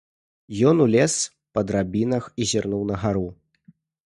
Ён узлез па драбінах і зірнуў на гару.